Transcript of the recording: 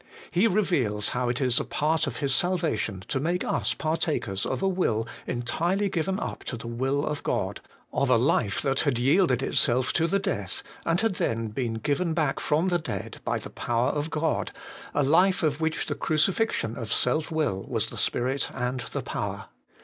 He reveals how it is a part of His salvation to make us partakers of a will entirely given up to the will of God, of a life that had yielded itself to the death, and had then been given back from the dead by the power of God, a life of which the crucifixion of self will was the spirit and the power.